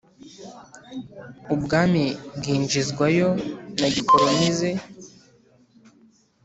ubwami bwinjizwayo na gikolonize